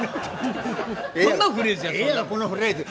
どんなフレーズや！